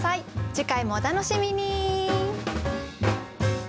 次回もお楽しみに！